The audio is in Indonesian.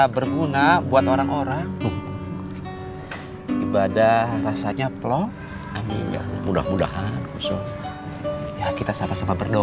dekatkan oleh allah pak saul